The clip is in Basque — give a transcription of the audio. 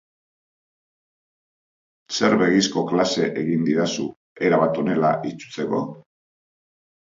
Zer begizko klase egin didazu, erabat honela itsutzeko?